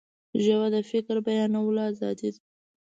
ژبه د فکر بیانولو آزادي ده